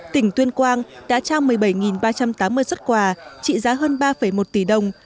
tỉnh tuyên quang đã trao một mươi bảy ba trăm tám mươi xuất quà trị giá hơn ba một tỷ đồng